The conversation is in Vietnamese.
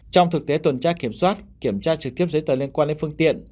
trong thực tế tuần tra kiểm soát kiểm tra trực tiếp giấy tờ liên quan đến phương tiện